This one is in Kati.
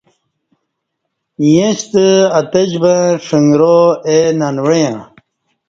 ییݩستہ اتجبں ݜݣرا اے ننوعݩہ